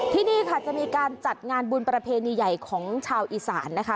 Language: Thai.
ที่นี่ค่ะจะมีการจัดงานบุญประเพณีใหญ่ของชาวอีสานนะคะ